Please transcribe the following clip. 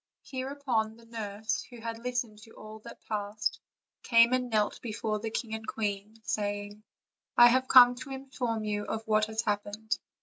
Hereupon the nurse, who had listened to all that passed, came and knelt before the king and queen, say ing: "I have come to inform you of what has happened.